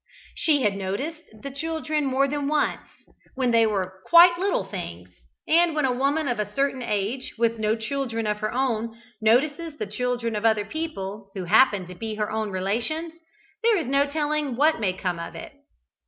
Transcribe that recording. She had noticed the children more than once, when they were quite little things; and when a woman of a certain age, with no children of her own, notices the children of other people, who happen to be her own relations, there is no telling what may come of it.